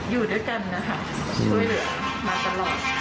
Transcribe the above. อยู่ด้วยกันนะคะช่วยเหลือมาตลอด